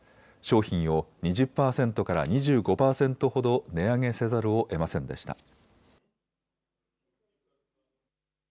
商品を２０％から２５％ほど値上げせざるをえませんでした。